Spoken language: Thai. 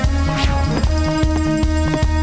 แม่บ้านประจัญบาล